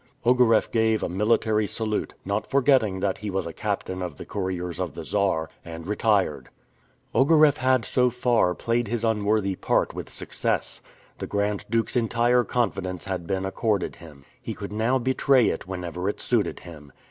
Ogareff gave a military salute, not forgetting that he was a captain of the couriers of the Czar, and retired. Ogareff had so far played his unworthy part with success. The Grand Duke's entire confidence had been accorded him. He could now betray it whenever it suited him.